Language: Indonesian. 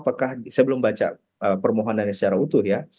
apakah saya belum baca permohonannya secara utuh ya